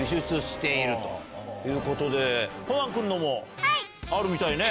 コナン君のもあるみたいね。